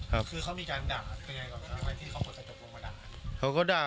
คือเขามีการบาปเนี่ยแบบเงี้ยไงก็มีที่ทิสติพลสะจุไปมาด่า